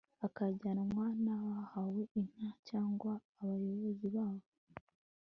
akajyanwa n abahawe inka cyangwa abayobozi babo